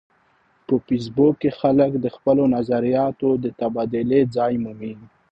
په فېسبوک کې خلک د خپلو نظریاتو د تبادلې ځای مومي